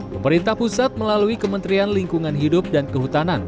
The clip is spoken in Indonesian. pemerintah pusat melalui kementerian lingkungan hidup dan kehutanan